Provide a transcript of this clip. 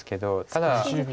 ただ